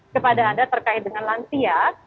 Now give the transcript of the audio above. kepada anda terkait dengan lansia